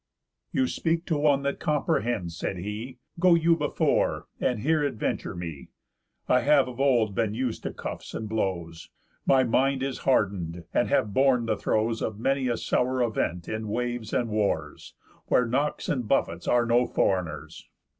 "You speak to one that comprehends," said he, "Go you before, and here adventure me. I have of old been us'd to cuffs and blows; My mind is harden'd, having borne the throes Of many a sour event in waves and wars, Where knocks and buffets are no foreigners.